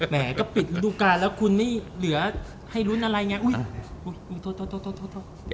แหมก็ปิดฤดูการแล้วคุณนี่เหลือให้ลุ้นอะไรไง